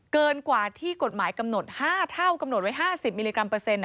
เกินกว่าที่กฎหมายกำหนด๕เท่ากำหนดไว้๕๐มิลลิกรัมเปอร์เซ็นต